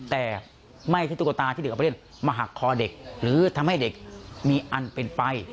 แต่ไม่ใช่ตุ๊กตาที่เด็กเอาไปเล่นมาหักคอเด็กหรือทำให้เด็กมีอันเป็นไป